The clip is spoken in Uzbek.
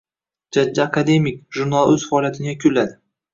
– «Jajji akademik» jurnali o‘z faoliyatini yakunladi.